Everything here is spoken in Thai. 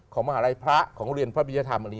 มหาลัยพระของเรียนพระพิยธรรม